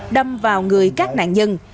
đâm vào người các nạn nhân